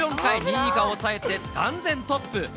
２位以下を抑えて断然トップ。